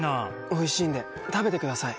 おいしいんで食べてください。